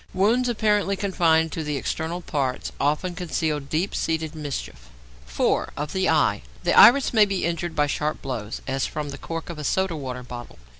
Wounds apparently confined to the external parts often conceal deep seated mischief. 4. =Of the Eye.= The iris may be injured by sharp blows, as from the cork of a soda water bottle.